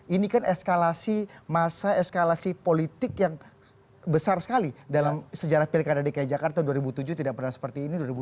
ini kan eskalasi masa eskalasi politik yang besar sekali dalam sejarah pilkada dki jakarta dua ribu tujuh tidak pernah seperti ini dua ribu tujuh belas